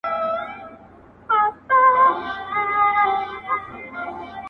دا بهار- او لاله زار- او ګلشن زما دی-